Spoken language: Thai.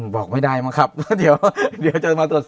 บอกไม่ได้มั้งครับแล้วเดี๋ยวจะมาตรวจสอบ